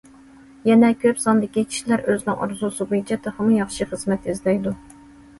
يەنە كۆپ ساندىكى كىشىلەر ئۆزىنىڭ ئارزۇسى بويىچە تېخىمۇ ياخشى خىزمەت ئىزدەيدۇ.